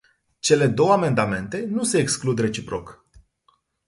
Cele două amendamente nu se exclud reciproc.